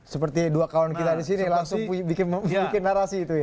seperti dua kawan kita di sini langsung bikin narasi itu ya